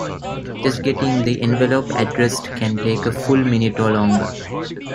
Just getting the envelope addressed can take a full minute or longer.